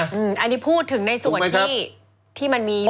อันนี้พูดถึงในส่วนที่มันมีอยู่